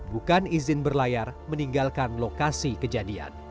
bukan izin berlayar meninggalkan lokasi kejadian